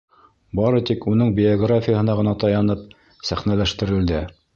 Бары тик уның биографияһына ғына таянып сәхнәләштерелде.